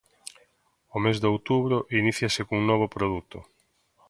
O mes de outubro iníciase cun novo produto.